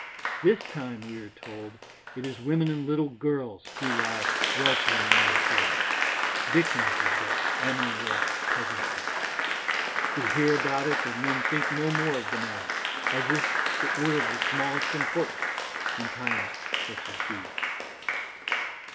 This time, we are told, it is women and little girls who lie weltering in their blood, victims of that amiable peasantry. We hear about it, and then think no more of the matter, as if it were of the smallest importance in times such as these.